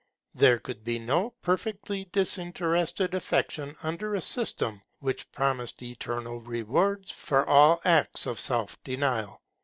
There could be no perfectly disinterested affection under a system which promised eternal rewards for all acts of self denial.